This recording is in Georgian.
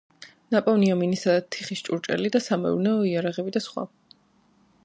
ნაპოვნია მინისა და თიხის ჭურჭელი და სამეურნეო იარაღი და სხვა.